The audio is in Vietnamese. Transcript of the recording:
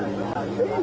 thành phố thì